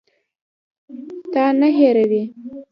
تا نه هېروي.